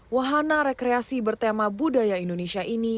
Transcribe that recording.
wahana rekreasi bertema budaya indonesia ini